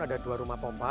ada dua rumah pompa